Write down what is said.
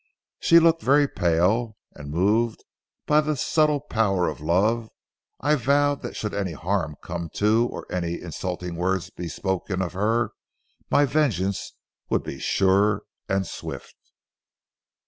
She looked very pale, and moved by the subtle power of love, I vowed that should any harm come to or any insulting word be spoken of her, my vengeance would be sure and swift.